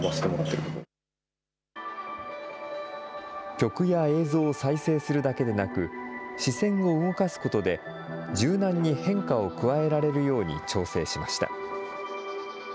曲や映像を再生するだけでなく、視線を動かすことで、柔軟に変化を加えられるように調整しました。